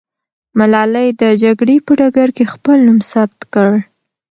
ملالۍ د جګړې په ډګر کې خپل نوم ثبت کړ.